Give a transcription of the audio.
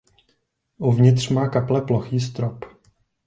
Uvnitř má kaple plochý strop.